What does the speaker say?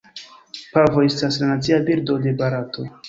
Pavo estas la nacia birdo de Barato.